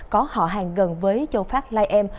có họ hàng gần với châu pháp lai em